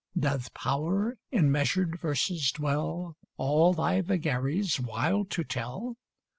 Doth power in measured verses dwell, All thy vagaries wild to tell?